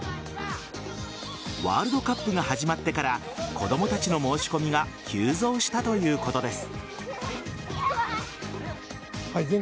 ワールドカップが始まってから子供たちの申し込みが急増したということです。